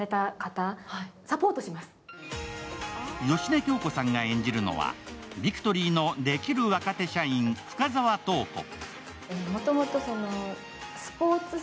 芳根京子さんが演じるのはビクトリーのできる若手社員・深沢塔子。